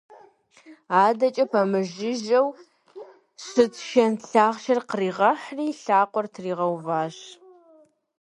Адэкӏэ пэмыжыжьэу щыт шэнт лъахъшэр къригъэхьри и лъакъуэр тригъэуващ.